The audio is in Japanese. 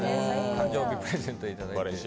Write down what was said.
誕生日プレゼント頂いて。